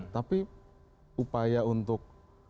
tapi upaya untuk